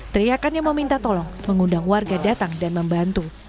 teriakan yang meminta tolong mengundang warga datang dan membantu